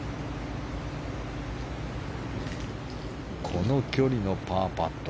この距離のパーパット。